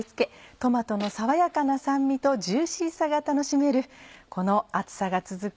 トマトの爽やかな酸味とジューシーさが楽しめるこの暑さが続く